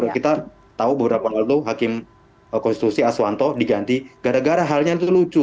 kita tahu beberapa waktu lalu hakim konstitusi aswanto diganti gara gara halnya itu lucu